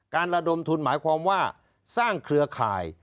ระดมทุนหมายความว่าสร้างเครือข่าย